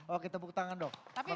oke tepuk tangan dong